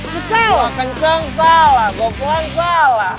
gue kenceng salah gue pelan salah